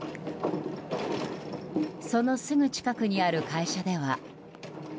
そのすぐ近くにある会社では。